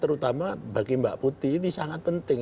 terutama bagi mbak putih ini sangat penting